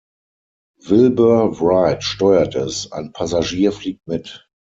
Wilbur Wright steuert es, ein Passagier fliegt mit.